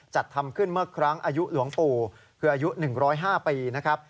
จัดทำขึ้นเมื่อครั้งอายุหลวงปู่คืออายุ๑๐๕ปีนะครับ